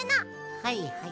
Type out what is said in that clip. はいはい。